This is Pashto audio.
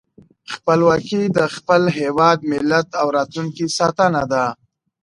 خپلواکي د خپل هېواد، ملت او راتلونکي ساتنه ده.